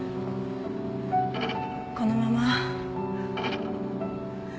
このまま。